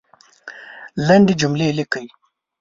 لندي جملې لیکئ !